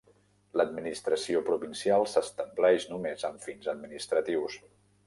L'administració provincial s'estableix només amb fins administratius.